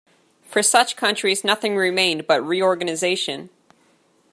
For such countries nothing remained but reorganization.